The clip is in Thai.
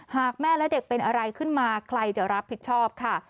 หากแม่และเด็กเป็นอะไรขึ้นมาใครจะรับผิดชอบค่ะ